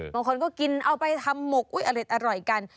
บางคนก็กินเอาไปทำหมกอุ๊ยอร่อยกัน